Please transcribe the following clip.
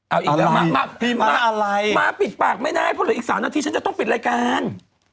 เอาอีกแล้วมาปิดปากไม่ได้เพราะเหลืออีก๓นาทีฉันจะต้องปิดรายการ